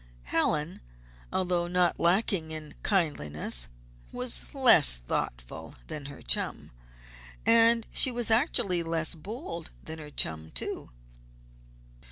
Helen, although not lacking in kindliness, was less thoughtful than her chum; and she was actually less bold than her chum, too.